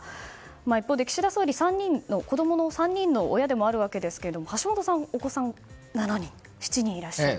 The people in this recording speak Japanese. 一方で岸田総理、３人の子供の親でもあるわけですが橋下さん、お子さんは７人いらっしゃる。